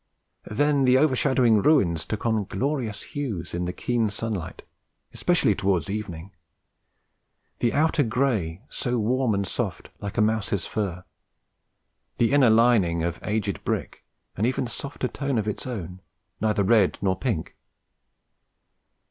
Then the overshadowing ruins took on glorious hues in the keen sunlight, especially towards evening; the outer grey so warm and soft, like a mouse's fur; the inner lining, of aged brick, an even softer tone of its own, neither red nor pink.